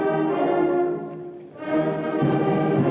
lagu kebangsaan indonesia raya